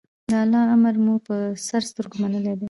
د الله امر مو په سر سترګو منلی دی.